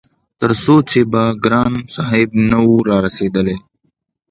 تر څو چې به ګران صاحب نه وو رارسيدلی-